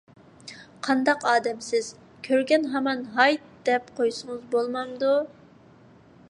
قانداق ئادەمسىز، كۆرگەن ھامان ھايت دەپ قويسىڭىز بولمامدۇ؟